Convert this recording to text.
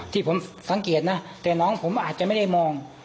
ที่ผมสังเกตนะแต่น้องผมอาจจะไม่ได้มอง